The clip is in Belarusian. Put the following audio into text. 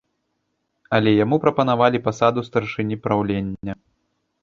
Але яму прапанавалі пасаду старшыні праўлення.